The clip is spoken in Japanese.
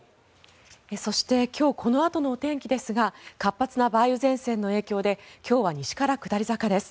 そして今日このあとのお天気ですが活発な梅雨前線の影響で今日は西から下り坂です。